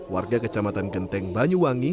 warga kecamatan genteng banyuwangi